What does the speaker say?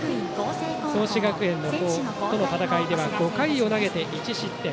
創志学園との戦いでは５回を投げて１失点。